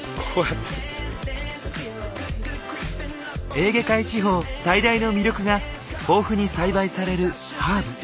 エーゲ海地方最大の魅力が豊富に栽培されるハーブ。